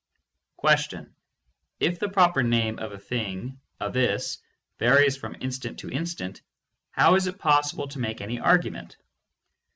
If the proper name of a thing, a "this," varies from in stant to instant, how is it possible to make any argument?